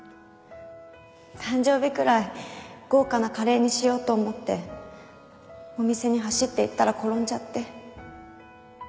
誕生日くらい豪華なカレーにしようと思ってお店に走って行ったら転んじゃって。